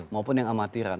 maupun yang amatiran